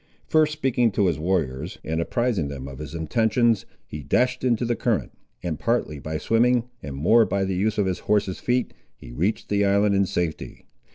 First speaking to his warriors, and apprising them of his intentions, he dashed into the current, and partly by swimming, and more by the use of his horse's feet, he reached the island in safety.